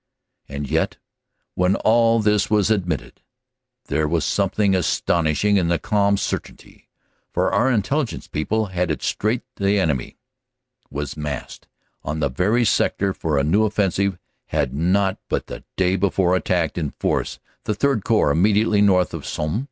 And yet when all this was admitted there was something FROM ARRAS TO AMIENS 23 astonishing in this calm certainty; for our Intelligence people had it straight the enemy was massed in that very sector for a new offensive had they not but the day before attacked in force the III Corps immediately north of the Somme?